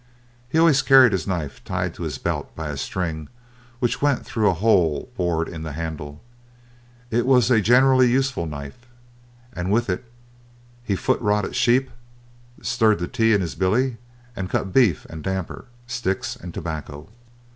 He always carried his knife tied to his belt by a string which went through a hole bored in the handle. It was a generally useful knife, and with it he foot rotted sheep, stirred the tea in his billy, and cut beef and damper, sticks, and tobacco.